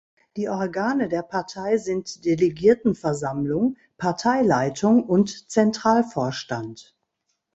Die Organe der Partei sind Delegiertenversammlung, Parteileitung und Zentralvorstand.